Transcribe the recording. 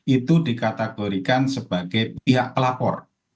itu dikategorikan sebagai pihak pelapor